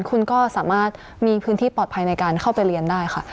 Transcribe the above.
คุณก็สามารถมีพื้นที่ปลอดภัยในการเข้าไปเรียนได้ค่ะ